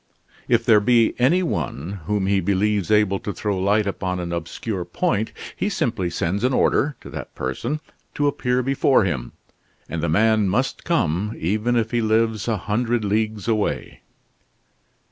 If there be any one whom he believes able to throw light upon an obscure point, he simply sends an order to that person to appear before him, and the man must come even if he lives a hundred leagues away.